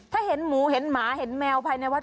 ถ้าเห็นหมูเห็นหมาเห็นแมวภายในวัด